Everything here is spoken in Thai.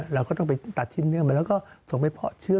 เราก็ต้องไปตัดชิ้นเนื้อมาแล้วก็ส่งไปเพาะเชื้อ